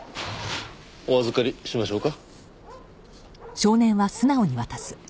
お預かりしましょうか？